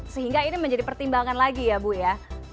sehingga ini menjadi pertimbangan lagi ya bu ya